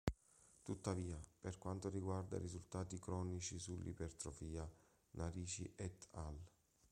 Tuttavia, per quanto riguarda i risultati cronici sull'ipertrofia, Narici et al.